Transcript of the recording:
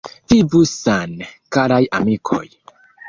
Vivu sane, karaj amikoj!